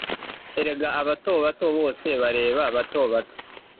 Erega abato bato bose barera bato bato